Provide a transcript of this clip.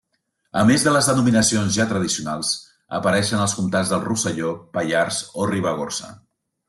A més de les denominacions ja tradicionals, apareixen els comtats del Rosselló, Pallars o Ribagorça.